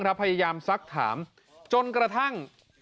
ครับพี่ก็เขียดนอนอีกนัง